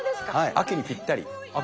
秋にぴったり。